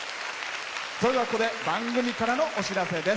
それでは、ここで番組からのお知らせです。